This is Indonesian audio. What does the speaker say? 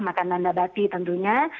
makanan nabati tentunya